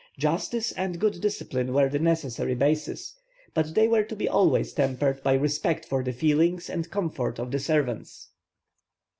Justice and good discipline were the necessary basis, but they were to be always tempered by respect for the feelings and comfort of the servants.